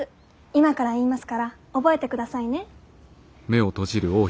今から言いますから覚えてくださいね。